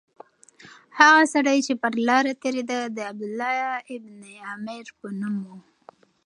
هغه سړی چې پر لاره تېرېده د عبدالله بن عمر په نوم و.